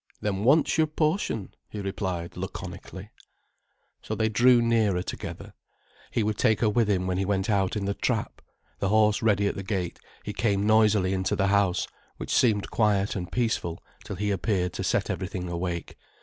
"Then want's your portion," he replied laconically. So they drew nearer together. He would take her with him when he went out in the trap. The horse ready at the gate, he came noisily into the house, which seemed quiet and peaceful till he appeared to set everything awake.